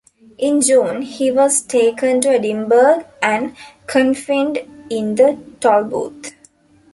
In June he was taken to Edinburgh and confined in the Tolbooth.